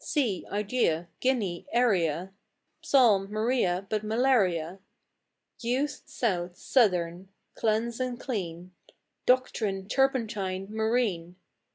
Sea, idea, guinea, area, Psalm; Maria, but malaria; Youth, south, southern; cleanse and clean; Doctrine, turpentine, marine.